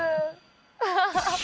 アハハハ。